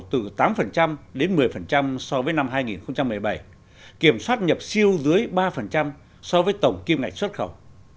từ tám đến một mươi so với năm hai nghìn một mươi bảy kiểm soát nhập siêu dưới ba so với tổng kim ngạch xuất khẩu